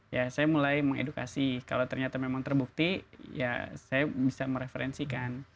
ya saya mulai mengedukasi kalau ternyata memang terbukti ya saya bisa mereferensikan